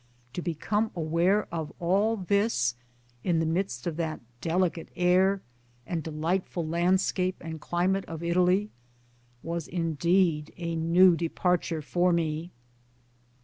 to become aware of all this in the midst of that " delicate air " and delightful landscape and climate of Italy, was indeed a new departure for me.